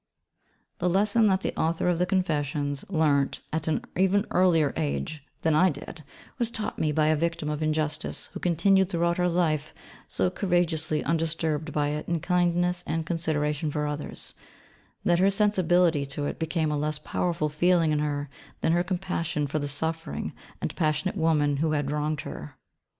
The lesson that the author of the Confessions learnt at an even earlier age than I did was taught me by a Victim of injustice who continued throughout her life so courageously undisturbed by it in kindness and consideration for others, that her sensibility to it became a less powerful feeling in her than her compassion for the suffering and passionate woman who had wronged her.